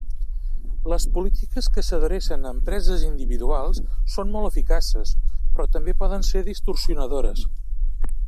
Les polítiques que s'adrecen a empreses individuals són molt eficaces, però també poden ser distorsionadores.